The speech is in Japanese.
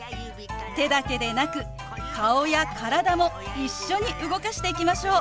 手だけでなく顔や体も一緒に動かしていきましょう！